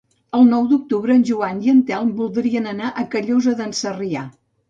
El nou d'octubre en Joan i en Telm voldrien anar a Callosa d'en Sarrià.